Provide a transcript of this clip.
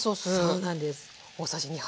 そうなんです。